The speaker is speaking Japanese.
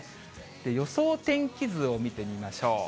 予想天気図を見てみましょう。